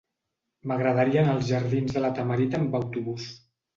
M'agradaria anar als jardins de La Tamarita amb autobús.